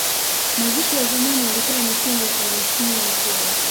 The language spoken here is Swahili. Mazishi ya zamani yalikuwa yametengwa kwa waheshimiwa wakubwa